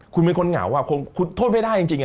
คุณเป็นคนเหงาคุณโทษไม่ได้จริง